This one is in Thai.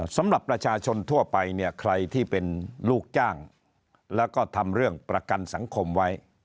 สำหรับประชาชนทั่วไปเนี่ยใครที่เป็นลูกจ้างแล้วก็ทำเรื่องประกันสังคมไว้